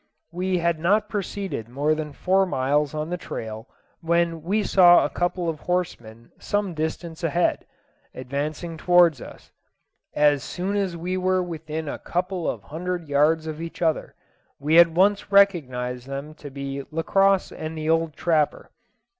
We had not proceeded more than four miles on the trail when we saw a couple of horsemen some distance ahead; advancing towards us. As soon as we were within a couple of hundred yards of each other, we at once recognised them to be Lacosse and the old trapper.